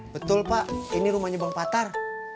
betul pak ini rumahnya bang patar